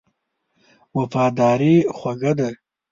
وفاداري خوږه ده.